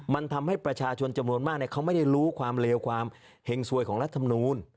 มันทำให้ประชาชนจำนวนมากเขาไม่ได้รู้ความเลวความเห็งสวยของรัฐมนูล